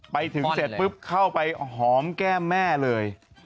ไปถึงเสร็จปุ๊บเข้าไปหอมแก้มแม่เลย